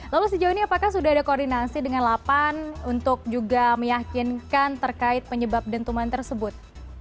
lalu sejauh ini apakah sudah ada koordinasi dengan lapan untuk juga meyakinkan terkait penyebab dentuman tersebut